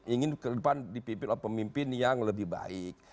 ingin ke depan dipimpin oleh pemimpin yang lebih baik